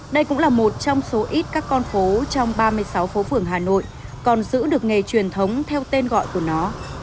đây cũng là một trong số ít các con phố trong ba mươi sáu phố phường hà nội còn giữ được nghề truyền thống theo tên gọi của nó